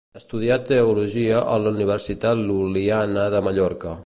Estudià teologia a la Universitat Lul·liana de Mallorca.